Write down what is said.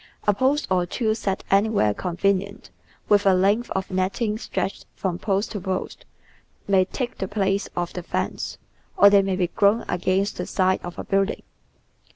A post or two set anywhere convenient, with a length of netting stretched from post to post, maj^ take the place of the fence, or they may be grown against the side of a building.